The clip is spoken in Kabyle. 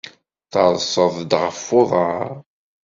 Terseḍ-d ɣef uḍar?